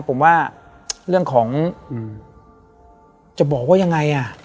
ผมว่าเรื่องของจะบอกว่ายังไงอ่ะ